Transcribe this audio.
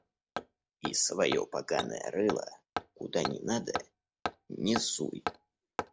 И своё поганое рыло, куда не надо, не суй!